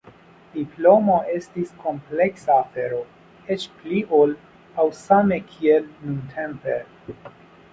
Diplomatio estis kompleksa afero, eĉ pli ol aŭ same kiel nuntempe.